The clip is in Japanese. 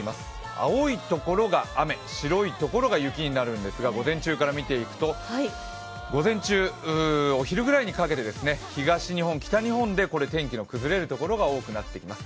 青いところが雨、白いところが雪になるんですが午前中から見ていくと午前中、お昼ぐらいにかけて東日本、北日本で天気の崩れるところが多くなってきます。